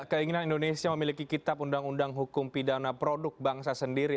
keinginan indonesia memiliki kitab undang undang hukum pidana produk bangsa sendiri